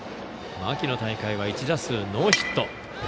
秋の大会は１打数ノーヒット。